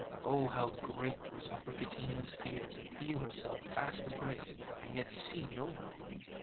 Oh, how great was Abricotina's fear to feel herself fast embraced, and yet see nobody!